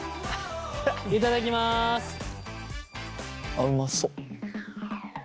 あっうまそ。